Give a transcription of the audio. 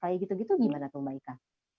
kayak gitu gitu gimana tuh mbak ika